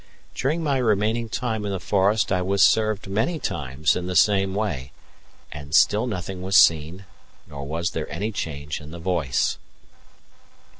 During my remaining time in the forest I was served many times in the same way, and still nothing was seen, nor was there any change in the voice.